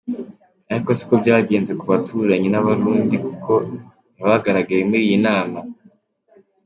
Ariko siko byagenze ku baturanyi b’Abarundi kuko ntibagaragaye muri iyi nama.